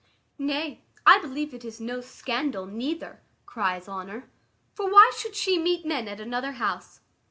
"Nay, I believe it is no scandal, neither," cries Honour, "for why should she meet men at another house?